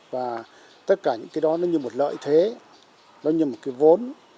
và tất cả những cái đó nó như một lợi thế nó như một cái vốn